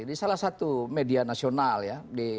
ini salah satu media nasional ya